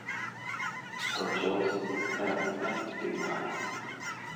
The jaws extend past the eye.